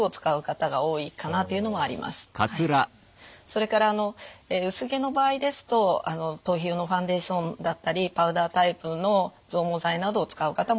それからあの薄毛の場合ですと頭皮用のファンデーションだったりパウダータイプの増毛剤などを使う方もいらっしゃいます。